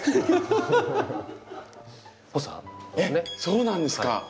えっそうなんですか？